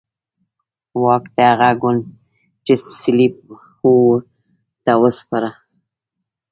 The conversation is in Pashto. واک د هغه ګوند چې سلپيپ وو ته وسپاره.